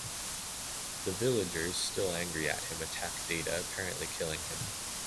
The villagers, still angry at him, attack Data, apparently killing him.